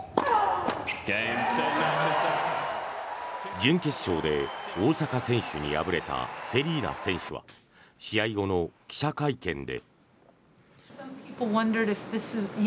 準決勝で大坂選手に敗れたセリーナ選手は試合後の記者会見で。